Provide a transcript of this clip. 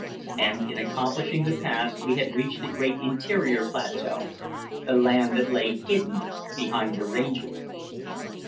And in accomplishing the pass we had reached the great interior plateau the land that lay hidden behind the ranges.